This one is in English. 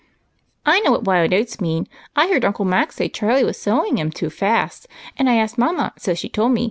"I know what 'wild oats' means. I heard Uncle Mac say Charlie was sowing 'em too fast, and I asked Mama, so she told me.